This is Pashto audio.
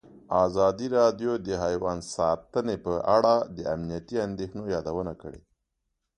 ازادي راډیو د حیوان ساتنه په اړه د امنیتي اندېښنو یادونه کړې.